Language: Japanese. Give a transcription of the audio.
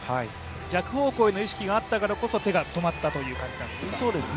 逆方向への意識があったからこそ手が止まったという感じなんですか？